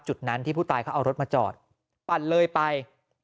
จุดนั้นที่ผู้ตายเขาเอารถมาจอดปั่นเลยไป